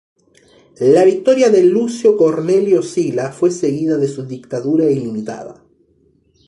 La victoria de Lucio Cornelio Sila fue seguida de su dictadura ilimitada.